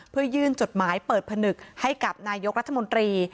เพื่อยื่นจดหมายเปิดผนึกให้กับนายกรัฐมนตรี